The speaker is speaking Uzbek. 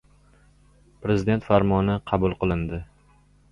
Prezident Farmoni qabul qilindi